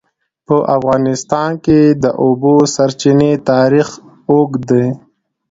په افغانستان کې د د اوبو سرچینې تاریخ اوږد دی.